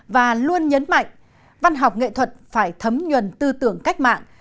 và luôn nhấn mạnh văn học nghệ thuật phải thấm nhuần tư tưởng cách mạng